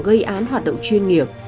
gây án hoạt động chuyên nghiệp